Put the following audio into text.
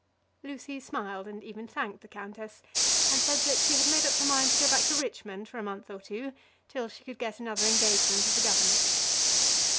Lucy smiled, and even thanked the countess, and said that she had made up her mind to go back to Richmond for a month or two, till she could get another engagement as a governess.